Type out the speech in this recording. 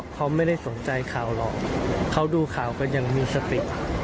เขาดูข่าวกันอย่างมีสติ